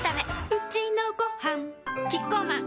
うちのごはんキッコーマン